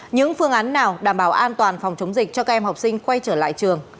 những phương án nào đảm bảo an toàn phòng chống dịch cho các em học sinh quay trở lại trường